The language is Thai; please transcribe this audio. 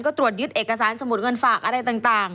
ก็ตรวจยึดเอกสารสมุดเงินฝากอะไรต่าง